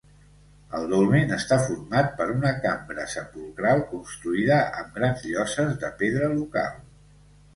El dolmen està format per una cambra sepulcral construïda amb grans lloses de pedra local.